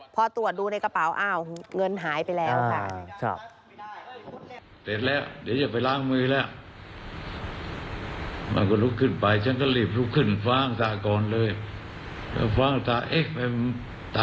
พอตรวจดูในกระเป๋าอ้าวเงินหายไปแล้วค่ะ